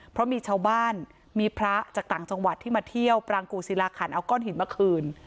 เพราะมีชาวบ้านมีพระจากต่างจังหวัดที่มาเที่ยวปรางกู่ศิลาขันเอาก้อนหินมาคืน